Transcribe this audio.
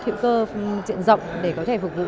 hữu cơ diện rộng để có thể phục vụ